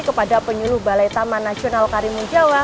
kepada penyuluh balai taman nasional karimun jawa